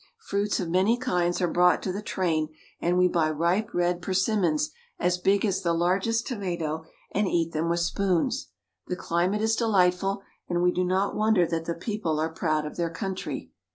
Fruits of many kinds are brought to the train, and we buy ripe red persimmons as big as the largest tomato and eat them with spoons. The climate is delightful, and we do not wonder that the people are proud of their country.